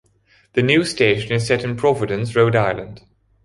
The news station is set in Providence, Rhode Island.